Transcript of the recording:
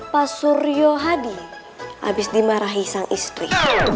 pak suryuhadi abis dimarahi sang istri